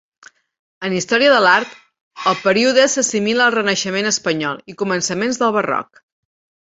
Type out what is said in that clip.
En història de l'art, el període s'assimila al renaixement espanyol i començaments del barroc.